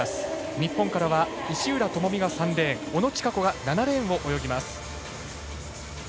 日本からは石浦智美が３レーン小野智華子が７レーンを泳ぎます。